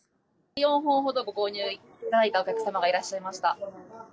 ４本ほどご購入いただいたお客様がいらっしゃいました。